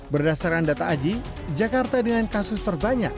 berdasarkan data aji jakarta dengan kasus terbanyak